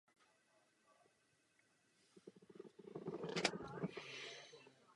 Výstavba objektu trvala více než dvacet let.